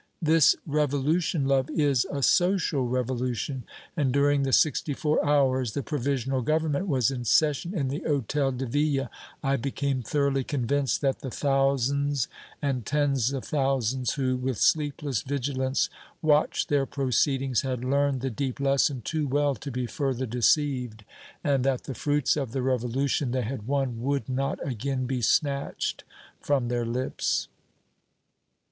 This Revolution, love, is a social Revolution, and during the sixty four hours the Provisional Government was in session, in the Hôtel de Ville, I became thoroughly convinced that the thousands and tens of thousands who, with sleepless vigilance, watched their proceedings, had learned the deep lesson too well to be further deceived, and that the fruits of the Revolution they had won would not again be snatched from their lips."